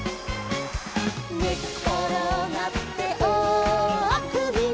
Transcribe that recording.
「ねっころがっておおあくびの」